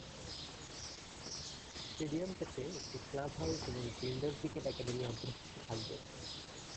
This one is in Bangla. স্টেডিয়ামটিতে একটি ক্লাব হাউস এবং একটি ইনডোর ক্রিকেট একাডেমি অন্তর্ভুক্ত থাকবে।